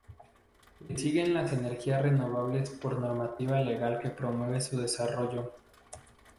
Le siguen las energías renovables por normativa legal que promueve su desarrollo.